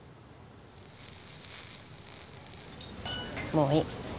もういい。